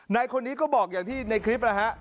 นายคนนี้ก็บอกอย่างที่ในคลิปแล้วฮะ